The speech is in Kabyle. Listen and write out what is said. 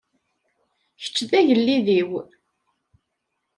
Kečč d agellid-iw.